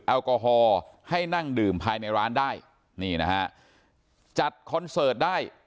แอลกอฮอล์ให้นั่งดื่มภายในร้านได้นี่นะฮะจัดคอนเสิร์ตได้